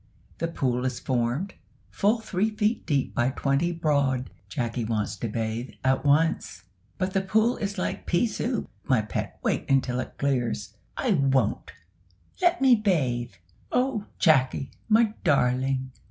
The pool is formed, full three feet deep by twenty broad. Jacky wants to bathe at once. "But the pool is like pea soup, my pet wait until it clears." "I won't let me bathe!" "O Jacky, my darling!"